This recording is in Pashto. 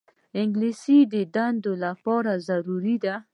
انګلیسي د دندو لپاره ضروري ده